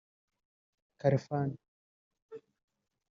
Khalfan